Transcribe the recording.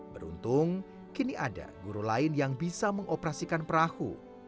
beruntung kini ada guru lain yang bisa mengoperasikan perahu